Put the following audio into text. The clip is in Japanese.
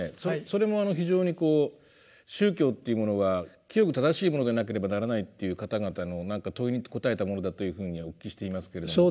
それも非常にこう宗教というものが清く正しいものでなければならないという方々の問いに答えたものだというふうにお聞きしていますけれども。